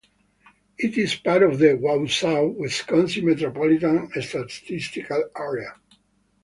It is part of the Wausau, Wisconsin Metropolitan Statistical Area.